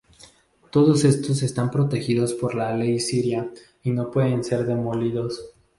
Todos estos están protegidos por la ley siria y no pueden ser demolidos.